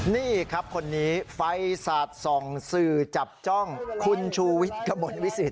นี่ครับคนนี้ไฟสาดส่องสื่อจับจ้องคุณชูวิทย์กระมวลวิสิต